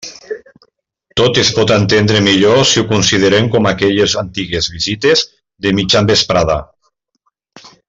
Tot es pot entendre millor si ho considerem com aquelles antigues visites de mitjan vesprada.